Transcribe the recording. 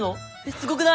すごくない！？